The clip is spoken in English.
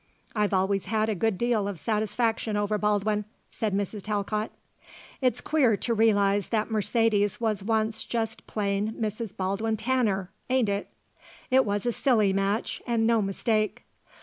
I've always had a good deal of satisfaction over Baldwin," said Mrs. Talcott. "It's queer to realize that Mercedes was once just plain Mrs. Baldwin Tanner, ain't it? It was a silly match and no mistake.